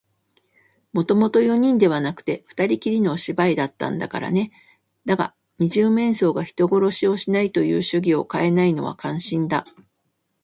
もともと四人ではなくて、ふたりきりのお芝居だったんだからね。だが、二十面相が人殺しをしないという主義をかえないのは感心だ。